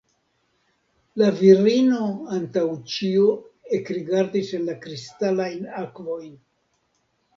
La virino antaŭ ĉio ekrigardis en la kristalajn akvojn.